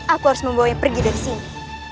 aku harus membawanya pergi dari sini